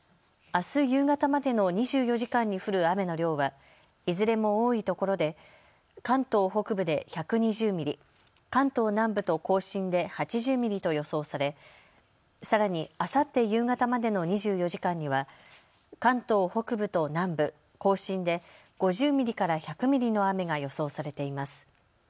あす夕方までの２４時間に降る雨の量はいずれも多いところで関東北部で１２０ミリ、関東南部と甲信で８０ミリと予想されさらに、あさって夕方までの２４時間には関東北部と南部、甲信で５０ミリから１００ミリの雨が予想されています。